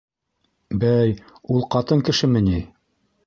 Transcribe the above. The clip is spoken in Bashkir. Бәй, ул ҡатын кешеме ни?